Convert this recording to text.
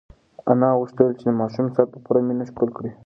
انا غوښتل چې د ماشوم سر په پوره مینه ښکل کړي.